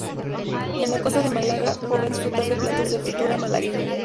En la costa de Málaga podrá disfrutar de platos de fritura malagueña.